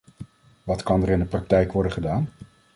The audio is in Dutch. Wat kan er in de praktijk worden gedaan?